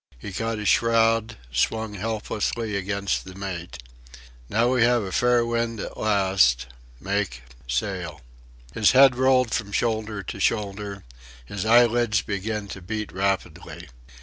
He caught a shroud, swung helplessly against the mate... "now we have a fair wind at last Make sail." His head rolled from shoulder to shoulder. His eyelids began to beat rapidly.